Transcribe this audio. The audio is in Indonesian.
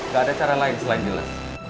gak ada cara lain selain jelas